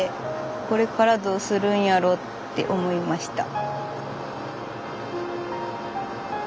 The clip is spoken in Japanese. これからどうするんやろうって思いました。